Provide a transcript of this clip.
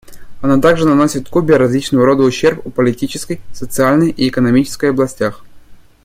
Она также наносит Кубе различного рода ущерб в политической, социальной и экономической областях.